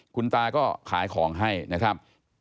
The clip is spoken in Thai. คุณตาก็ขายของให้นะครับ